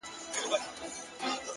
ریښتینی قوت د ځان کنټرول کې دی’